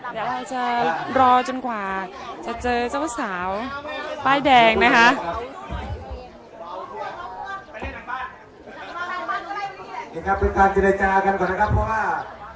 เดี๋ยวเราจะรอจนกว่าจะเจอเจ้าสาวป้ายแดงนะคะ